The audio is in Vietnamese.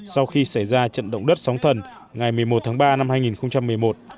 sau khi xảy ra trận động đất sóng thần ngày một mươi một tháng ba năm hai nghìn một mươi một